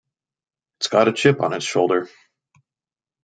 It's got a chip on its shoulder.